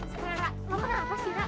sebenernya lo nonton apa sih rane